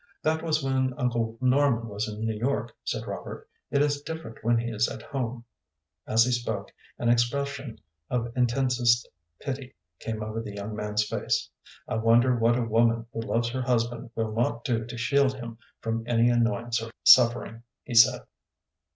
"That was when Uncle Norman was in New York," said Robert. "It is different when he is at home." As he spoke, an expression of intensest pity came over the young man's face. "I wonder what a woman who loves her husband will not do to shield him from any annoyance or suffering," he said.